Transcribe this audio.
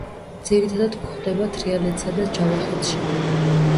ძირითადად გვხვდება თრიალეთსა და ჯავახეთში.